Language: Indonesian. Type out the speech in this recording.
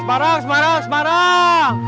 semarang semarang semarang